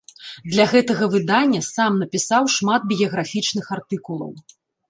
Для гэтага выдання сам напісаў шмат біяграфічных артыкулаў.